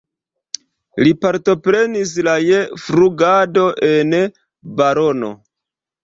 Li partoprenis la je flugado en balono.